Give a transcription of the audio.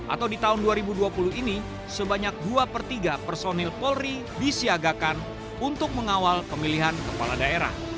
atau di tahun dua ribu dua puluh ini sebanyak dua per tiga personil polri disiagakan untuk mengawal pemilihan kepala daerah